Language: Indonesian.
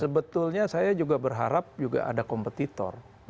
sebetulnya saya juga berharap juga ada kompetitor